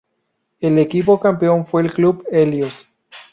El equipo campeón fue el Club Helios.